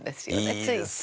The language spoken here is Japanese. ついつい。